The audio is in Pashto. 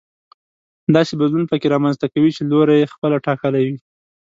داسې بدلون پکې رامنځته کوي چې لوری يې خپله ټاکلی وي.